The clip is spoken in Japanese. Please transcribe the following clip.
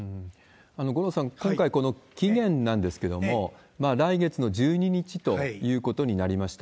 五郎さん、今回のこの期限なんですけれども、来月の１２日ということになりました。